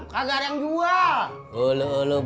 kagak ada yang jual